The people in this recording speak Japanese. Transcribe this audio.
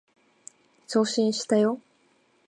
送信したよ